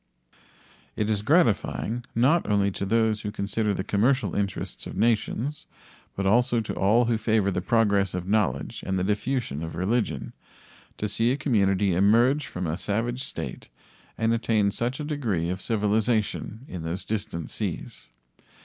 It is gratifying, not only to those who consider the commercial interests of nations, but also to all who favor the progress of knowledge and the diffusion of religion, to see a community emerge from a savage state and attain such a degree of civilization in those distant seas.